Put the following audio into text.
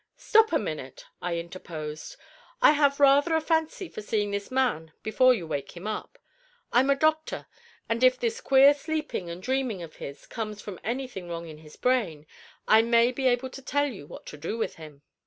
"Stop a minute," I interposed; "I have rather a fancy for seeing this man before you wake him up. I'm a doctor; and if this queer sleeping and dreaming of his comes from anything wrong in his brain, I may be able to tell you what to do with him."